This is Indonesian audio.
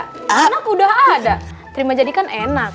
kan aku udah ada terima jadi kan enak